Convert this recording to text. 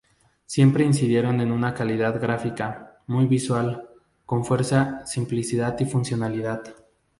Siempre incidiendo en una calidad gráfica, muy visual, con fuerza, simplicidad y funcionalidad.